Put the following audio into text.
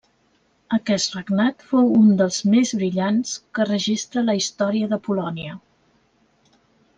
Aquest regnat fou un dels més brillants que registra la història de Polònia.